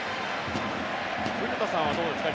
古田さんはどうですか？